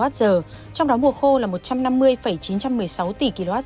cao hơn so với kế hoạch cũ chỉ một trăm linh chín một trăm tám mươi ba tỷ kwh